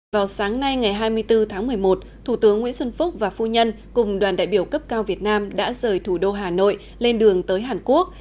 vào sáng nay ngày hai mươi bốn tháng một mươi một thủ tướng nguyễn xuân phúc và phu nhân cùng đoàn đại biểu cấp cao việt nam đã rời thủ đô hà nội lên đường tới hàn quốc